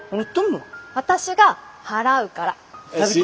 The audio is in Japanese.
私が払うから。